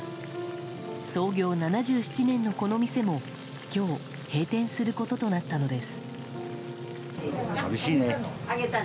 創業７７年の、この店も今日閉店することとなったのです。